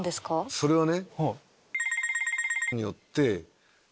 それはね。